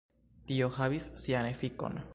Tio havis sian efikon.